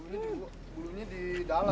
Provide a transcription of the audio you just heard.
bulunya di dalam